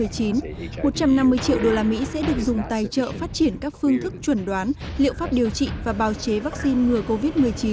một trăm năm mươi triệu đô la mỹ sẽ được dùng tài trợ phát triển các phương thức chuẩn đoán liệu pháp điều trị và bào chế vaccine ngừa covid một mươi chín